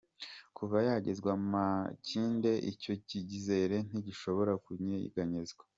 Kuva yagezwa Makindye icyo cyizere ntigishobora kunyeganyezwa.”